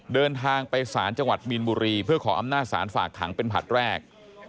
เดินทางไปสารจังหวัดมีนบุรีเพื่อขออำนาจศาลฝากขังเป็นผลัดแรก